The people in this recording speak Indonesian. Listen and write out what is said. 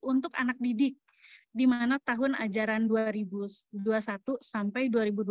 untuk anak didik di mana tahun ajaran dua ribu dua puluh satu sampai dua ribu dua puluh